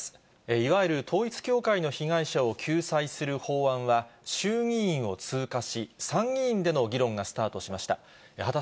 いわゆる統一教会の被害者を救済する法案は、衆議院を通過し、参議院での議論がスタートしました。